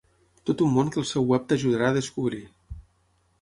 Tot un món que el seu web t'ajudarà a descobrir.